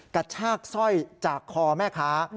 กระชากสร้อยจากคอแม่ค้า